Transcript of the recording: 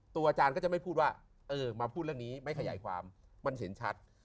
อาจารย์ก็จะไม่พูดว่าเออมาพูดเรื่องนี้ไม่ขยายความมันเห็นชัด